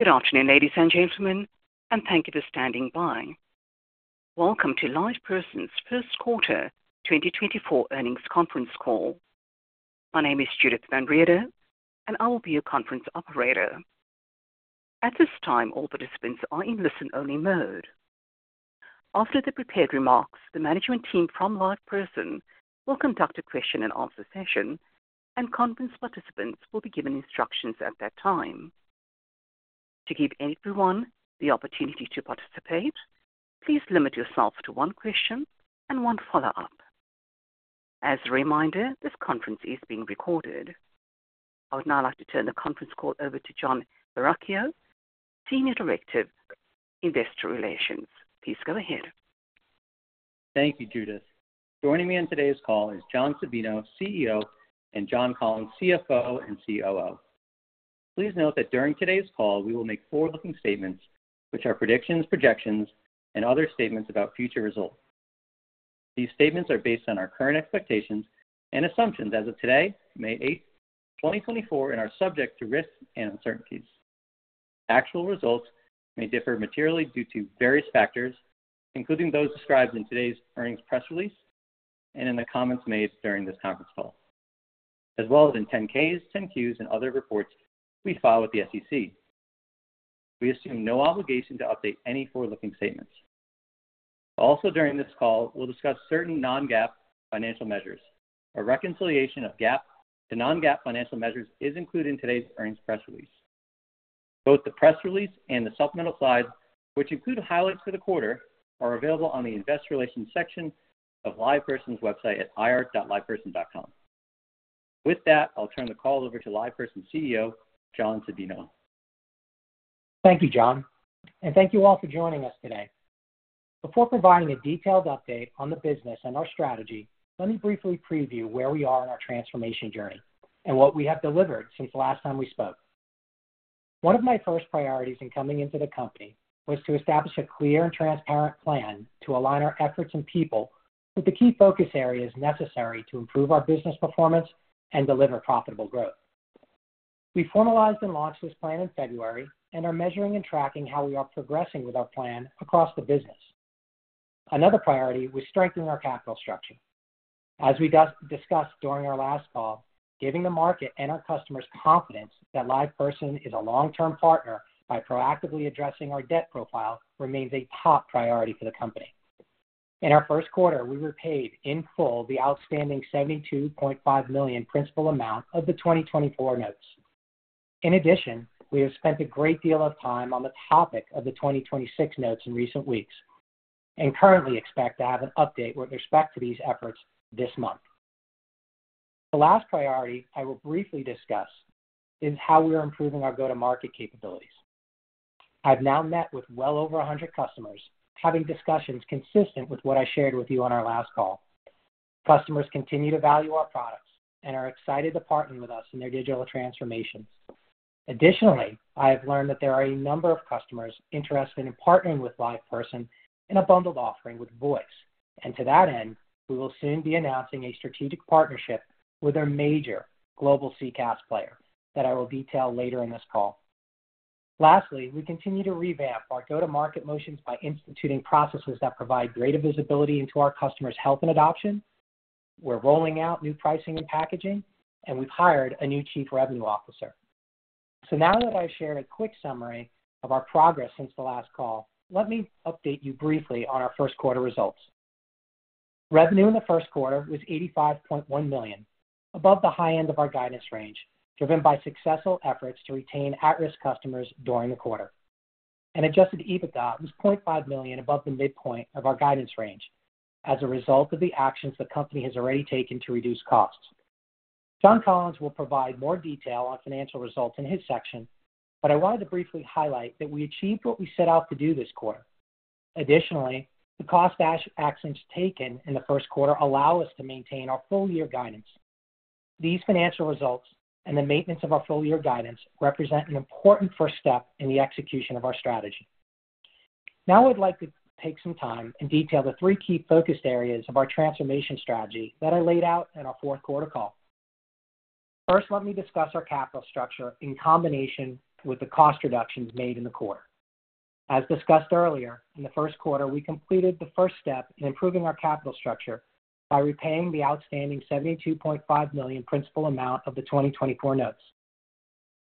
Good afternoon, ladies and gentlemen, and thank you for standing by. Welcome to LivePerson's Q1 2024 Earnings Conference Call. My name is Judith Manrieta, and I will be your conference operator. At this time, all participants are in listen-only mode. After the prepared remarks, the management team from LivePerson will conduct a question-and-answer session, and conference participants will be given instructions at that time. To give everyone the opportunity to participate, please limit yourself to one question and one follow-up. As a reminder, this conference is being recorded. I would now like to turn the conference call over to Jon Perachio, Senior Director, Investor Relations. Please go ahead. Thank you, Judith. Joining me on today's call is John Sabino, CEO, and John Collins, CFO and COO. Please note that during today's call we will make forward-looking statements, which are predictions, projections, and other statements about future results. These statements are based on our current expectations and assumptions as of today, May 8th, 2024, and are subject to risks and uncertainties. Actual results may differ materially due to various factors, including those described in today's earnings press release and in the comments made during this conference call, as well as in 10-Ks, 10-Qs, and other reports we file with the SEC. We assume no obligation to update any forward-looking statements. Also, during this call, we'll discuss certain non-GAAP financial measures. A reconciliation of GAAP to non-GAAP financial measures is included in today's earnings press release. Both the press release and the supplemental slides, which include highlights for the quarter, are available on the Investor Relations section of LivePerson's website at ir.liveperson.com. With that, I'll turn the call over to LivePerson CEO John Sabino. Thank you, John, and thank you all for joining us today. Before providing a detailed update on the business and our strategy, let me briefly preview where we are in our transformation journey and what we have delivered since last time we spoke. One of my first priorities in coming into the company was to establish a clear and transparent plan to align our efforts and people with the key focus areas necessary to improve our business performance and deliver profitable growth. We formalized and launched this plan in February and are measuring and tracking how we are progressing with our plan across the business. Another priority was strengthening our capital structure. As we discussed during our last call, giving the market and our customers confidence that LivePerson is a long-term partner by proactively addressing our debt profile remains a top priority for the company. In our Q1, we repaid in full the outstanding $72.5 million principal amount of the 2024 Notes. In addition, we have spent a great deal of time on the topic of the 2026 Notes in recent weeks and currently expect to have an update with respect to these efforts this month. The last priority I will briefly discuss is how we are improving our go-to-market capabilities. I've now met with well over 100 customers, having discussions consistent with what I shared with you on our last call. Customers continue to value our products and are excited to partner with us in their digital transformation. Additionally, I have learned that there are a number of customers interested in partnering with LivePerson in a bundled offering with Voice, and to that end, we will soon be announcing a strategic partnership with our major global CCaaS player that I will detail later in this call. Lastly, we continue to revamp our go-to-market motions by instituting processes that provide greater visibility into our customers' health and adoption. We're rolling out new pricing and packaging, and we've hired a new Chief Revenue Officer. So now that I've shared a quick summary of our progress since the last call, let me update you briefly on our Q1 results. Revenue in the Q1 was $85.1 million, above the high end of our guidance range, driven by successful efforts to retain at-risk customers during the quarter. And Adjusted EBITDA was $0.5 million above the midpoint of our guidance range as a result of the actions the company has already taken to reduce costs. John Collins will provide more detail on financial results in his section, but I wanted to briefly highlight that we achieved what we set out to do this quarter. Additionally, the cost actions taken in the Q1 allow us to maintain our full-year guidance. These financial results and the maintenance of our full-year guidance represent an important first step in the execution of our strategy. Now I would like to take some time and detail the three key focused areas of our transformation strategy that I laid out in our Q4 call. First, let me discuss our capital structure in combination with the cost reductions made in the quarter. As discussed earlier, in the Q1, we completed the first step in improving our capital structure by repaying the outstanding $72.5 million principal amount of the 2024 notes.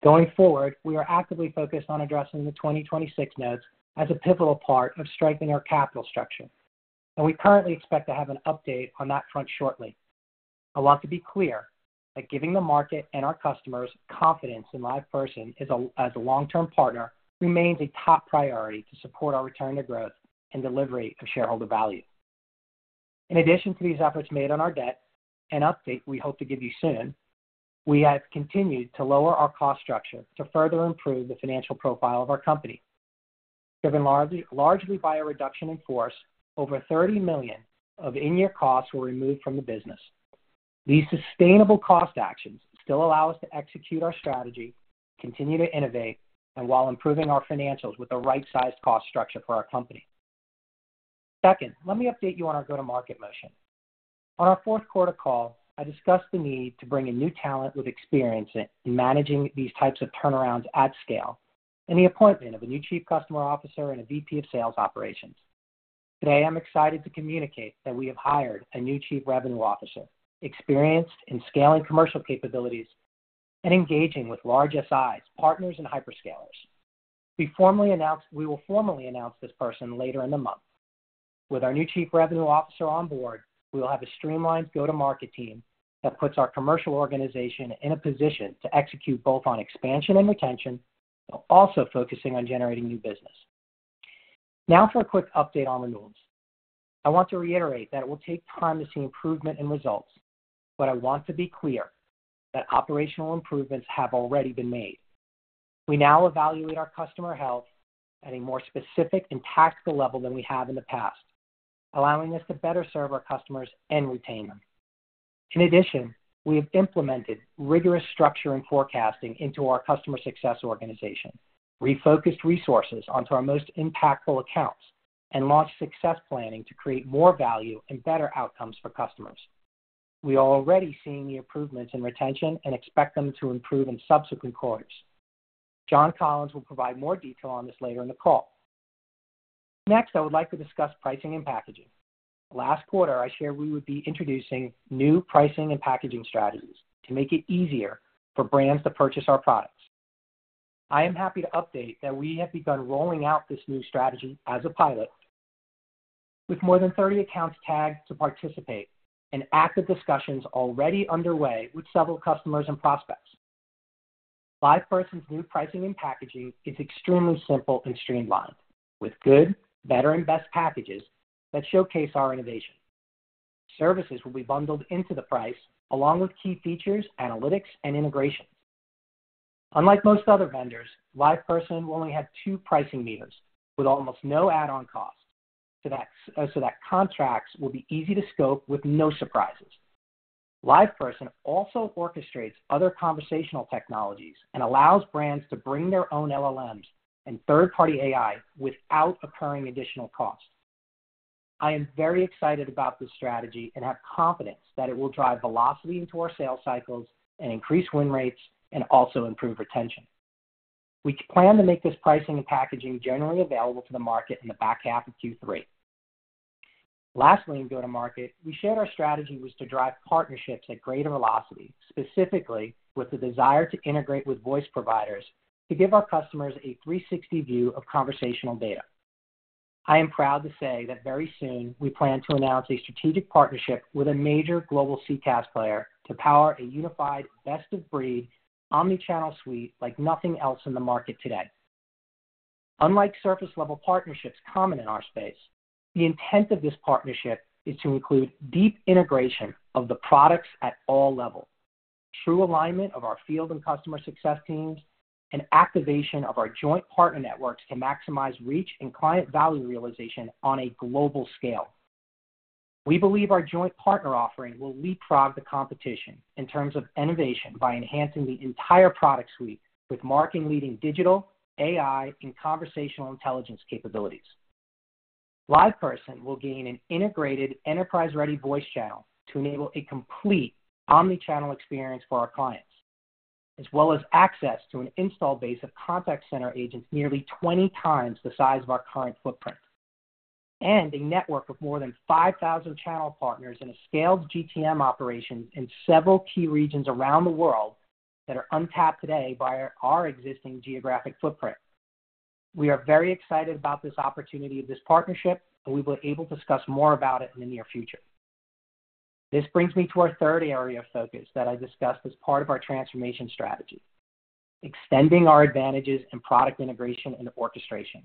Going forward, we are actively focused on addressing the 2026 notes as a pivotal part of strengthening our capital structure, and we currently expect to have an update on that front shortly. I want to be clear that giving the market and our customers confidence in LivePerson as a long-term partner remains a top priority to support our return to growth and delivery of shareholder value. In addition to these efforts made on our debt, an update we hope to give you soon, we have continued to lower our cost structure to further improve the financial profile of our company. Driven largely by a reduction in force, over $30 million of in-year costs were removed from the business. These sustainable cost actions still allow us to execute our strategy, continue to innovate, and while improving our financials with the right-sized cost structure for our company. Second, let me update you on our go-to-market motion. On our Q4 call, I discussed the need to bring in new talent with experience in managing these types of turnarounds at scale and the appointment of a new Chief Customer Officer and a VP of Sales Operations. Today, I'm excited to communicate that we have hired a new Chief Revenue Officer, experienced in scaling commercial capabilities and engaging with large SIs, partners, and hyperscalers. We will formally announce this person later in the month. With our new Chief Revenue Officer on board, we will have a streamlined go-to-market team that puts our commercial organization in a position to execute both on expansion and retention, while also focusing on generating new business. Now for a quick update on the rules. I want to reiterate that it will take time to see improvement in results, but I want to be clear that operational improvements have already been made. We now evaluate our customer health at a more specific and tactical level than we have in the past, allowing us to better serve our customers and retain them. In addition, we have implemented rigorous structure and forecasting into our customer success organization, refocused resources onto our most impactful accounts, and launched success planning to create more value and better outcomes for customers. We are already seeing the improvements in retention and expect them to improve in subsequent quarters. John Collins will provide more detail on this later in the call. Next, I would like to discuss pricing and packaging. Last quarter, I shared we would be introducing new pricing and packaging strategies to make it easier for brands to purchase our products. I am happy to update that we have begun rolling out this new strategy as a pilot, with more than 30 accounts tagged to participate and active discussions already underway with several customers and prospects. LivePerson's new pricing and packaging is extremely simple and streamlined, with good, better, and best packages that showcase our innovation. Services will be bundled into the price along with key features, analytics, and integrations. Unlike most other vendors, LivePerson will only have two pricing meters with almost no add-on costs, so that contracts will be easy to scope with no surprises. LivePerson also orchestrates other conversational technologies and allows brands to bring their own LLMs and third-party AI without incurring additional costs. I am very excited about this strategy and have confidence that it will drive velocity into our sales cycles and increase win rates and also improve retention. We plan to make this pricing and packaging generally available to the market in the back half of Q3. Lastly, in go-to-market, we shared our strategy was to drive partnerships at greater velocity, specifically with the desire to integrate with Voice providers to give our customers a 360 view of conversational data. I am proud to say that very soon we plan to announce a strategic partnership with a major global CCaaS player to power a unified, best-of-breed, omnichannel suite like nothing else in the market today. Unlike surface-level partnerships common in our space, the intent of this partnership is to include deep integration of the products at all levels, true alignment of our field and customer success teams, and activation of our joint partner networks to maximize reach and client value realization on a global scale. We believe our joint partner offering will leapfrog the competition in terms of innovation by enhancing the entire product suite with market-leading digital, AI, and conversational intelligence capabilities. LivePerson will gain an integrated, enterprise-ready voice channel to enable a complete omnichannel experience for our clients, as well as access to an installed base of contact center agents nearly 20 times the size of our current footprint, and a network of more than 5,000 channel partners and a scaled GTM operations in several key regions around the world that are untapped today by our existing geographic footprint. We are very excited about this opportunity of this partnership, and we will be able to discuss more about it in the near future. This brings me to our third area of focus that I discussed as part of our transformation strategy: extending our advantages in product integration and orchestration.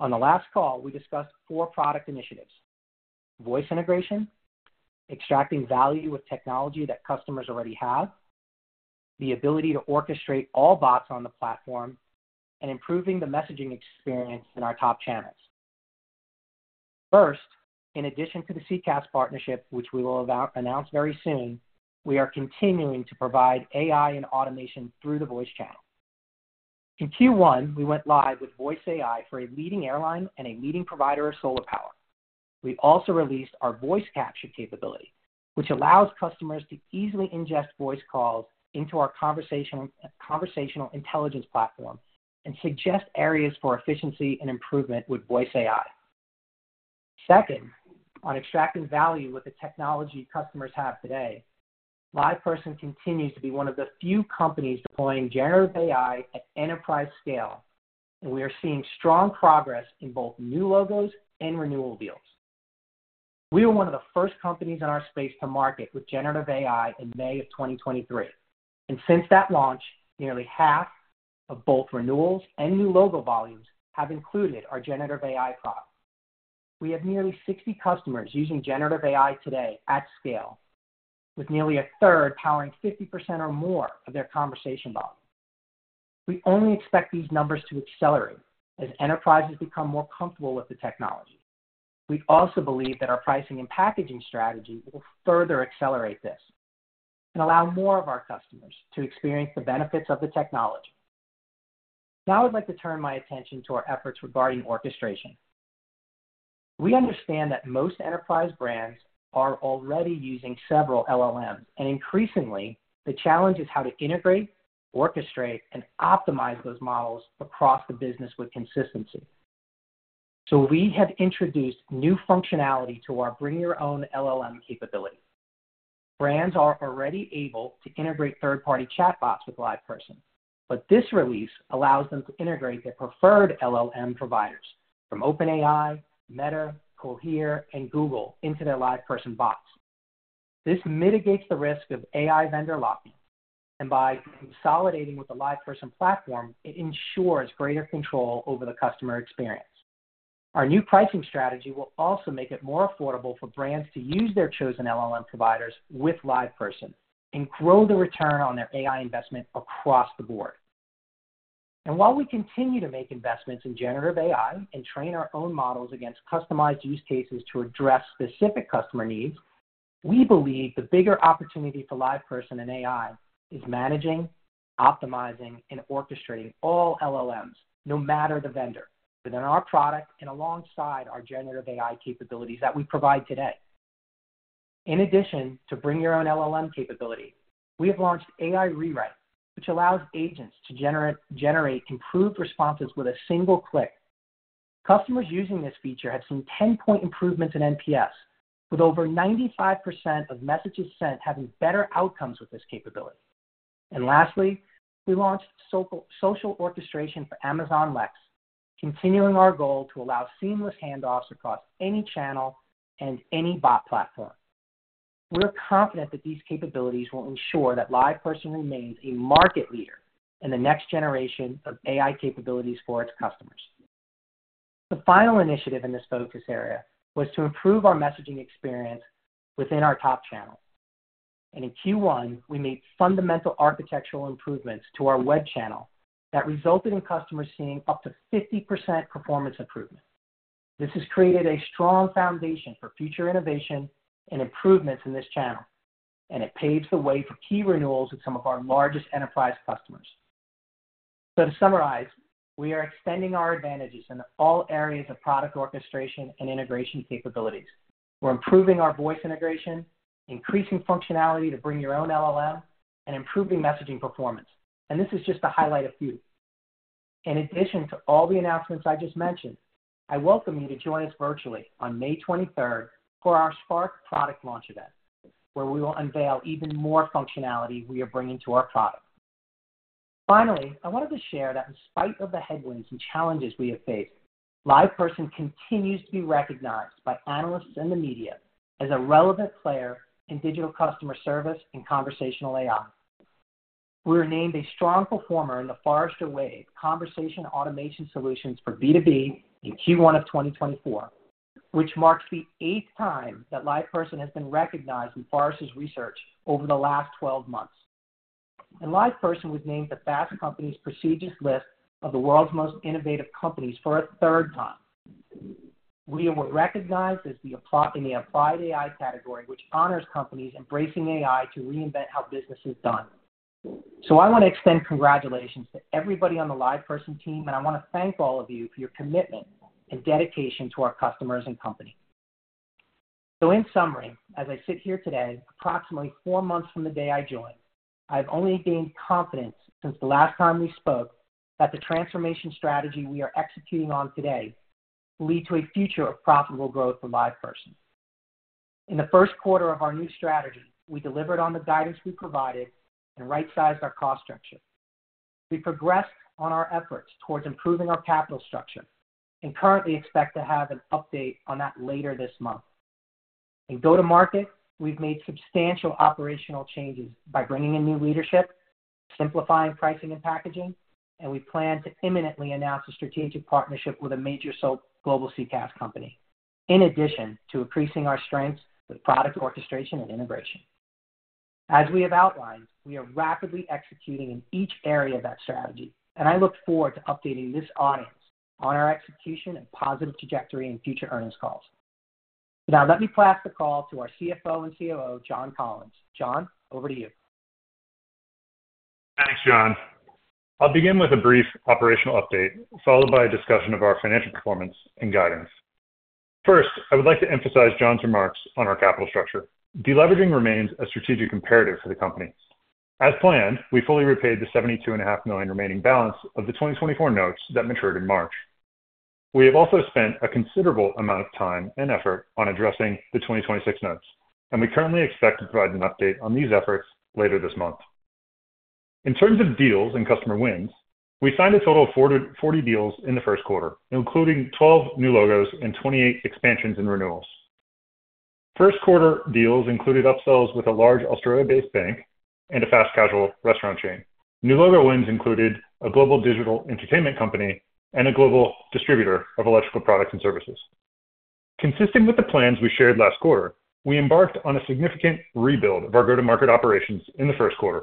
On the last call, we discussed four product initiatives: Voice integration, extracting value with technology that customers already have, the ability to orchestrate all bots on the platform, and improving the messaging experience in our top channels. First, in addition to the CCaaS partnership, which we will announce very soon, we are continuing to provide AI and automation through the voice channel. In Q1, we went live with Voice AI for a leading airline and a leading provider of solar power. We also released our Voice Capture capability, which allows customers to easily ingest voice calls into our conversational intelligence platform and suggest areas for efficiency and improvement with Voice AI. Second, on extracting value with the technology customers have today, LivePerson continues to be one of the few companies deploying generative AI at enterprise scale, and we are seeing strong progress in both new logos and renewal deals. We were one of the first companies in our space to market with generative AI in May of 2023, and since that launch, nearly half of both renewals and new logo volumes have included our generative AI product. We have nearly 60 customers using generative AI today at scale, with nearly a third powering 50% or more of their conversation volume. We only expect these numbers to accelerate as enterprises become more comfortable with the technology. We also believe that our pricing and packaging strategy will further accelerate this and allow more of our customers to experience the benefits of the technology. Now I would like to turn my attention to our efforts regarding orchestration. We understand that most enterprise brands are already using several LLMs, and increasingly, the challenge is how to integrate, orchestrate, and optimize those models across the business with consistency. So we have introduced new functionality to our Bring Your Own LLM capability. Brands are already able to integrate third-party chatbots with LivePerson, but this release allows them to integrate their preferred LLM providers from OpenAI, Meta, Cohere, and Google into their LivePerson bots. This mitigates the risk of AI vendor lock-in, and by consolidating with the LivePerson platform, it ensures greater control over the customer experience. Our new pricing strategy will also make it more affordable for brands to use their chosen LLM providers with LivePerson and grow the return on their AI investment across the board. And while we continue to make investments in generative AI and train our own models against customized use cases to address specific customer needs, we believe the bigger opportunity for LivePerson and AI is managing, optimizing, and orchestrating all LLMs, no matter the vendor, within our product and alongside our generative AI capabilities that we provide today. In addition to bring-your-own LLM capability, we have launched AI Rewrite, which allows agents to generate improved responses with a single click. Customers using this feature have seen 10-point improvements in NPS, with over 95% of messages sent having better outcomes with this capability. Lastly, we launched social orchestration for Amazon Lex, continuing our goal to allow seamless handoffs across any channel and any bot platform. We're confident that these capabilities will ensure that LivePerson remains a market leader in the next generation of AI capabilities for its customers. The final initiative in this focus area was to improve our messaging experience within our top channels. In Q1, we made fundamental architectural improvements to our web channel that resulted in customers seeing up to 50% performance improvement. This has created a strong foundation for future innovation and improvements in this channel, and it paves the way for key renewals with some of our largest enterprise customers. To summarize, we are extending our advantages in all areas of product orchestration and integration capabilities. We're improving our voice integration, increasing functionality to bring-your-own LLM, and improving messaging performance. This is just to highlight a few. In addition to all the announcements I just mentioned, I welcome you to join us virtually on May 23rd for our Spark product launch event, where we will unveil even more functionality we are bringing to our product. Finally, I wanted to share that in spite of the headwinds and challenges we have faced, LivePerson continues to be recognized by analysts and the media as a relevant player in digital customer service and conversational AI. We were named a strong performer in the Forrester Wave Conversational Automation Solutions for B2B in Q1 of 2024, which marks the eighth time that LivePerson has been recognized in Forrester's research over the last 12 months. LivePerson was named to Fast Company’s prestigious list of the world’s most innovative companies for a third time. We were recognized in the Applied AI category, which honors companies embracing AI to reinvent how business is done. So I want to extend congratulations to everybody on the LivePerson team, and I want to thank all of you for your commitment and dedication to our customers and companies. So in summary, as I sit here today, approximately four months from the day I joined, I have only gained confidence since the last time we spoke that the transformation strategy we are executing on today will lead to a future of profitable growth for LivePerson. In the Q1 of our new strategy, we delivered on the guidance we provided and right-sized our cost structure. We progressed on our efforts towards improving our capital structure and currently expect to have an update on that later this month. In go-to-market, we've made substantial operational changes by bringing in new leadership, simplifying pricing and packaging, and we plan to imminently announce a strategic partnership with a major global CCaaS company, in addition to increasing our strengths with product orchestration and integration. As we have outlined, we are rapidly executing in each area of that strategy, and I look forward to updating this audience on our execution and positive trajectory in future earnings calls. Now, let me pass the call to our CFO and COO, John Collins. John, over to you. Thanks, John. I'll begin with a brief operational update, followed by a discussion of our financial performance and guidance. First, I would like to emphasize John's remarks on our capital structure. Deleveraging remains a strategic imperative for the company. As planned, we fully repaid the $72.5 million remaining balance of the 2024 notes that matured in March. We have also spent a considerable amount of time and effort on addressing the 2026 notes, and we currently expect to provide an update on these efforts later this month. In terms of deals and customer wins, we signed a total of 40 deals in the Q1, including 12 new logos and 28 expansions and renewals. First-quarter deals included upsells with a large Australia-based bank and a fast-casual restaurant chain. New logo wins included a global digital entertainment company and a global distributor of electrical products and services. Consistent with the plans we shared last quarter, we embarked on a significant rebuild of our go-to-market operations in the Q1.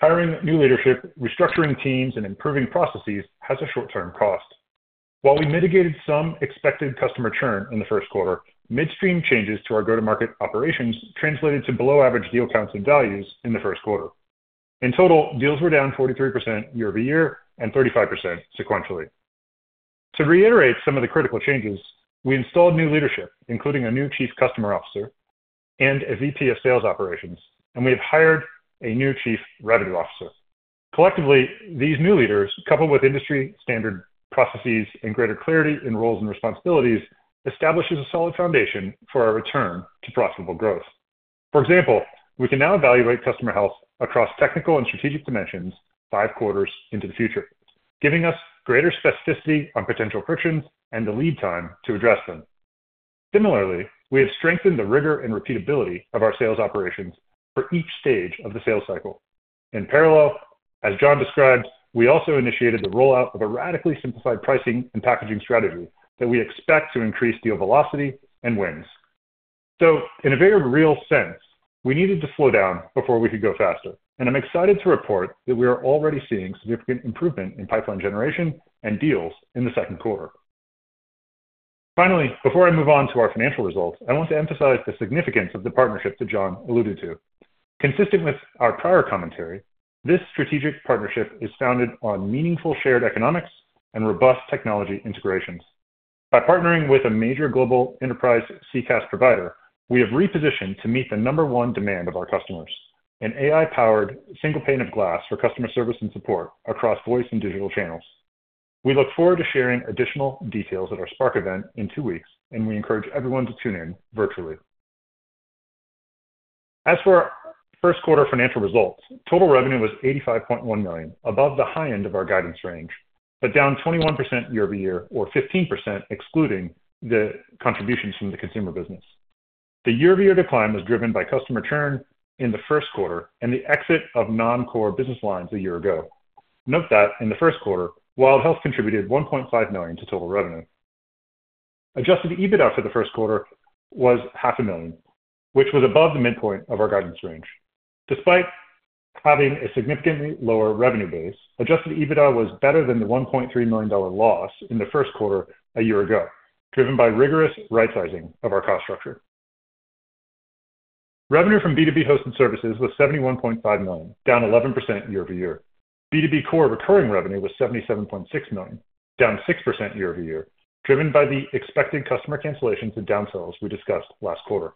Hiring new leadership, restructuring teams, and improving processes has a short-term cost. While we mitigated some expected customer churn in the Q1, midstream changes to our go-to-market operations translated to below-average deal counts and values in the Q1. In total, deals were down 43% year-over-year and 35% sequentially. To reiterate some of the critical changes, we installed new leadership, including a new chief customer officer and a VP of sales operations, and we have hired a new chief revenue officer. Collectively, these new leaders, coupled with industry-standard processes and greater clarity in roles and responsibilities, establish a solid foundation for our return to profitable growth. For example, we can now evaluate customer health across technical and strategic dimensions five quarters into the future, giving us greater specificity on potential frictions and the lead time to address them. Similarly, we have strengthened the rigor and repeatability of our sales operations for each stage of the sales cycle. In parallel, as John described, we also initiated the rollout of a radically simplified pricing and packaging strategy that we expect to increase deal velocity and wins. So in a very real sense, we needed to slow down before we could go faster, and I'm excited to report that we are already seeing significant improvement in pipeline generation and deals in the Q2. Finally, before I move on to our financial results, I want to emphasize the significance of the partnership that John alluded to. Consistent with our prior commentary, this strategic partnership is founded on meaningful shared economics and robust technology integrations. By partnering with a major global enterprise CCaaS provider, we have repositioned to meet the number one demand of our customers: an AI-powered single pane of glass for customer service and support across voice and digital channels. We look forward to sharing additional details at our Spark event in two weeks, and we encourage everyone to tune in virtually. As for our Q1 financial results, total revenue was $85.1 million, above the high end of our guidance range, but down 21% year-over-year, or 15% excluding the contributions from the consumer business. The year-over-year decline was driven by customer churn in the Q1 and the exit of non-core business lines a year ago. Note that in the Q1, Wild Health contributed $1.5 million to total revenue. Adjusted EBITDA for the Q1 was $500,000, which was above the midpoint of our guidance range. Despite having a significantly lower revenue base, adjusted EBITDA was better than the $1.3 million loss in the Q1 a year ago, driven by rigorous right-sizing of our cost structure. Revenue from B2B hosted services was $71.5 million, down 11% year-over-year. B2B core recurring revenue was $77.6 million, down 6% year-over-year, driven by the expected customer cancellations and downsells we discussed last quarter.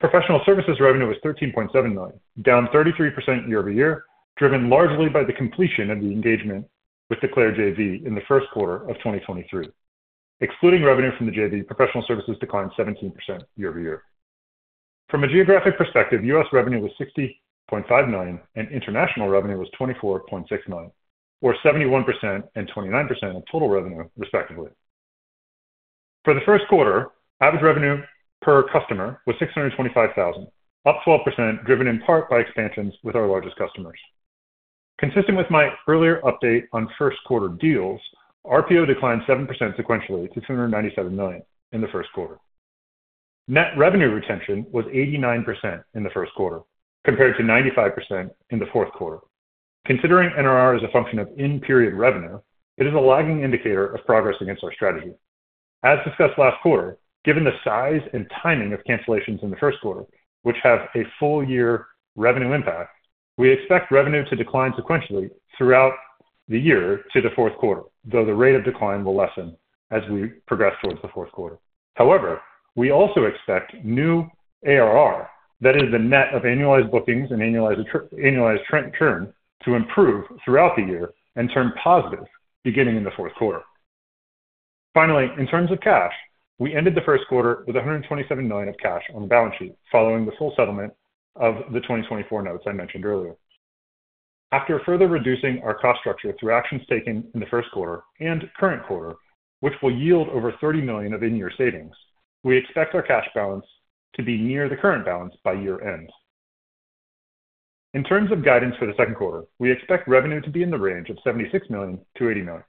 Professional services revenue was $13.7 million, down 33% year-over-year, driven largely by the completion of the engagement with Healthcare JV in the Q1 of 2023. Excluding revenue from the JV, professional services declined 17% year-over-year. From a geographic perspective, U.S. revenue was $60.5 million and international revenue was $24.6 million, or 71% and 29% of total revenue, respectively. For the Q1, average revenue per customer was $625,000, up 12% driven in part by expansions with our largest customers. Consistent with my earlier update on first-quarter deals, RPO declined 7% sequentially to $297 million in the Q1. Net revenue retention was 89% in the Q1, compared to 95% in the Q4. Considering NRR as a function of in-period revenue, it is a lagging indicator of progress against our strategy. As discussed last quarter, given the size and timing of cancellations in the Q1, which have a full-year revenue impact, we expect revenue to decline sequentially throughout the year to the Q4, though the rate of decline will lessen as we progress towards the Q4. However, we also expect new ARR, that is, the net of annualized bookings and annualized churn, to improve throughout the year and turn positive beginning in the Q4. Finally, in terms of cash, we ended the Q1 with $127 million of cash on the balance sheet following the full settlement of the 2024 notes I mentioned earlier. After further reducing our cost structure through actions taken in the Q1 and current quarter, which will yield over $30 million of in-year savings, we expect our cash balance to be near the current balance by year-end. In terms of guidance for the Q2, we expect revenue to be in the range of $76 million-$80 million.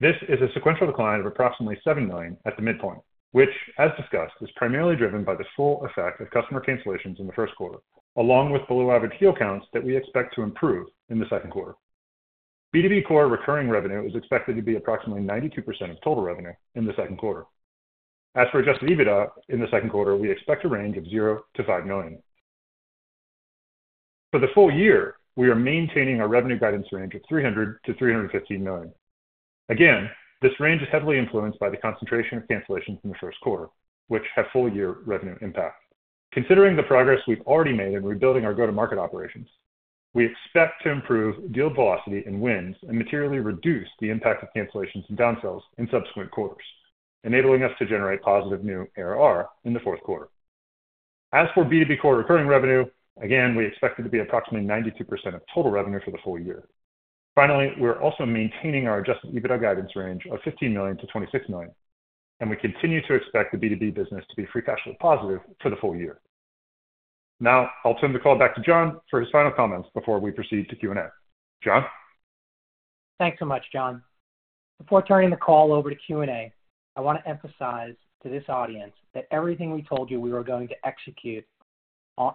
This is a sequential decline of approximately $7 million at the midpoint, which, as discussed, is primarily driven by the full effect of customer cancellations in the Q1, along with below-average deal counts that we expect to improve in the Q2. B2B core recurring revenue is expected to be approximately 92% of total revenue in the Q2. As for Adjusted EBITDA in the Q2, we expect a range of $0-$5 million. For the full year, we are maintaining our revenue guidance range of $300-$315 million. Again, this range is heavily influenced by the concentration of cancellations in the Q1, which have full-year revenue impact. Considering the progress we've already made in rebuilding our go-to-market operations, we expect to improve deal velocity and wins and materially reduce the impact of cancellations and downsells in subsequent quarters, enabling us to generate positive new ARR in the Q4. As for B2B core recurring revenue, again, we expect it to be approximately 92% of total revenue for the full year. Finally, we are also maintaining our Adjusted EBITDA guidance range of $15 million-$26 million, and we continue to expect the B2B business to be Free Cash Flow positive for the full year. Now, I'll turn the call back to John for his final comments before we proceed to Q&A. John? Thanks so much, John. Before turning the call over to Q&A, I want to emphasize to this audience that everything we told you we were going to execute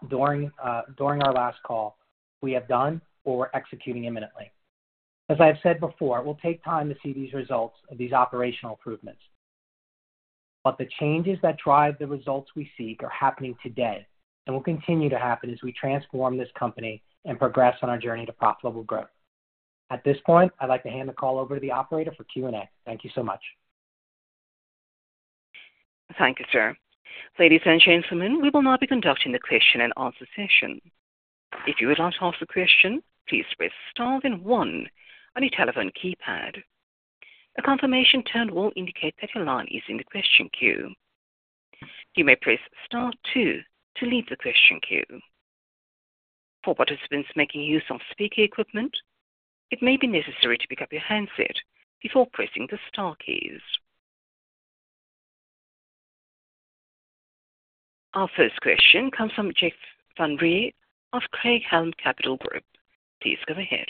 during our last call, we have done or we're executing imminently. As I have said before, it will take time to see these results of these operational improvements. But the changes that drive the results we seek are happening today and will continue to happen as we transform this company and progress on our journey to profitable growth. At this point, I'd like to hand the call over to the operator for Q&A. Thank you so much. Thank you, sir. Ladies and gentlemen, we will not be conducting the question-and-answer session. If you would like to ask a question, please press Star then one on your telephone keypad. A confirmation tone will indicate that your line is in the question queue. You may press Star two to leave the question queue. For participants making use of speaker equipment, it may be necessary to pick up your handset before pressing the Star keys. Our first question comes from Jeff Van Rhee of Craig-Hallum Capital Group. Please go ahead.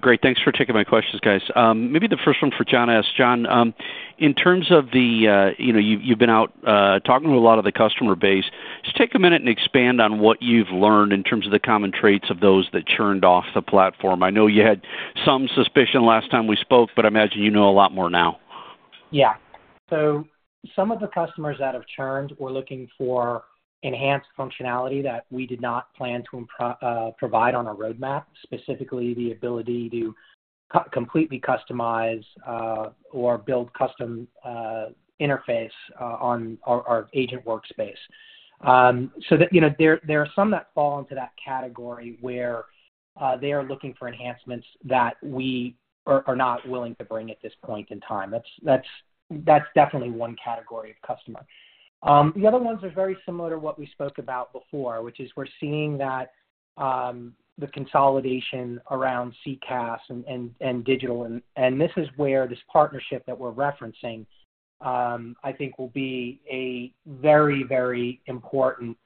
Great. Thanks for taking my questions, guys. Maybe the first one for John. John, in terms of the, you've been out talking to a lot of the customer base. Just take a minute and expand on what you've learned in terms of the common traits of those that churned off the platform. I know you had some suspicion last time we spoke, but I imagine you know a lot more now. Yeah. So some of the customers that have churned were looking for enhanced functionality that we did not plan to provide on our roadmap, specifically the ability to completely customize or build a custom interface on our agent workspace. So there are some that fall into that category where they are looking for enhancements that we are not willing to bring at this point in time. That's definitely one category of customer. The other ones are very similar to what we spoke about before, which is we're seeing that the consolidation around CCaaS and digital. And this is where this partnership that we're referencing, I think, will be a very, very important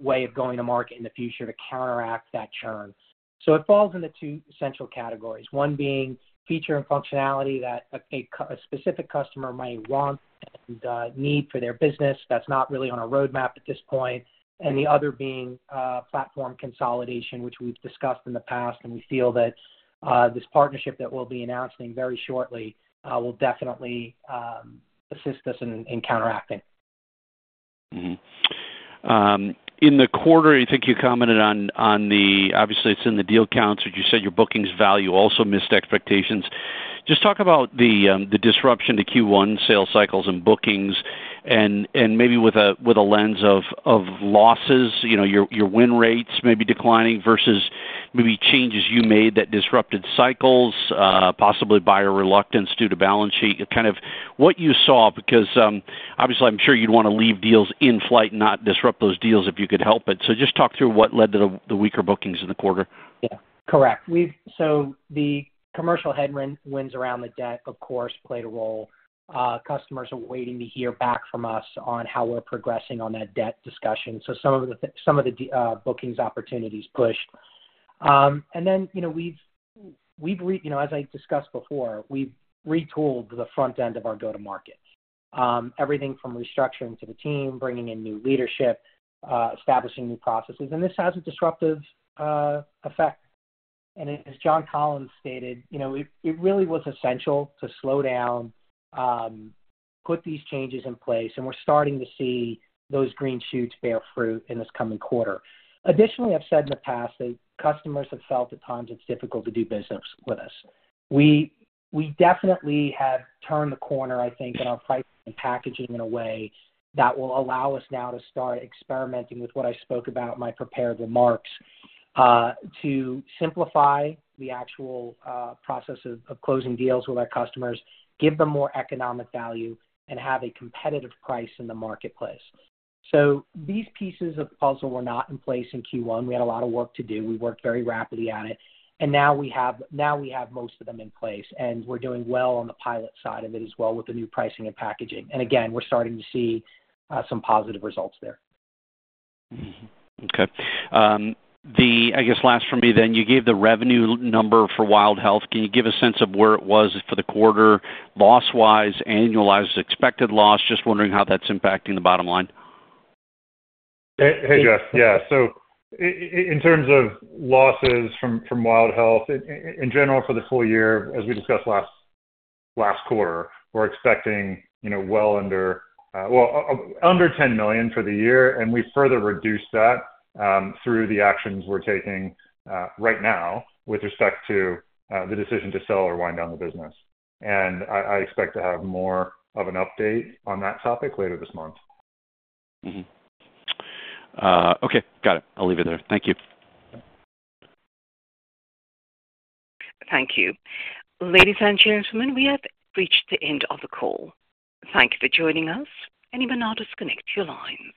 way of going to market in the future to counteract that churn. It falls into two central categories, one being feature and functionality that a specific customer might want and need for their business that's not really on our roadmap at this point, and the other being platform consolidation, which we've discussed in the past and we feel that this partnership that we'll be announcing very shortly will definitely assist us in counteracting. In the quarter, I think you commented on the obviously, it's in the deal counts, but you said your bookings value also missed expectations. Just talk about the disruption to Q1 sales cycles and bookings, and maybe with a lens of losses, your win rates maybe declining versus maybe changes you made that disrupted cycles, possibly buyer reluctance due to balance sheet. Kind of what you saw, because obviously, I'm sure you'd want to leave deals in flight and not disrupt those deals if you could help it. So just talk through what led to the weaker bookings in the quarter. Yeah. Correct. So the commercial headwinds around the debt, of course, played a role. Customers are waiting to hear back from us on how we're progressing on that debt discussion. So some of the bookings opportunities pushed. And then we've as I discussed before, we've retooled the front end of our go-to-market, everything from restructuring to the team, bringing in new leadership, establishing new processes. And this has a disruptive effect. And as John Collins stated, it really was essential to slow down, put these changes in place, and we're starting to see those green shoots bear fruit in this coming quarter. Additionally, I've said in the past that customers have felt at times it's difficult to do business with us. We definitely have turned the corner, I think, in our pricing and packaging in a way that will allow us now to start experimenting with what I spoke about, my prepared remarks, to simplify the actual process of closing deals with our customers, give them more economic value, and have a competitive price in the marketplace. So these pieces of the puzzle were not in place in Q1. We had a lot of work to do. We worked very rapidly at it. And now we have most of them in place, and we're doing well on the pilot side of it as well with the new pricing and packaging. And again, we're starting to see some positive results there. Okay. I guess last from me then. You gave the revenue number for Wild Health. Can you give a sense of where it was for the quarter, loss-wise, annualized expected loss? Just wondering how that's impacting the bottom line. Hey, Jeff. Yeah. So in terms of losses from Wild Health, in general for the full year, as we discussed last quarter, we're expecting well under $10 million for the year, and we further reduce that through the actions we're taking right now with respect to the decision to sell or wind down the business. I expect to have more of an update on that topic later this month. Okay. Got it. I'll leave it there. Thank you. Thank you. Ladies and gentlemen, we have reached the end of the call. Thank you for joining us, and you may now disconnect your lines.